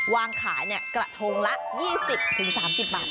วางขายกระทงละ๒๐๓๐บาทเท่านั้นเอง